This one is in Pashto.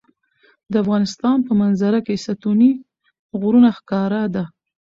د افغانستان په منظره کې ستوني غرونه ښکاره ده.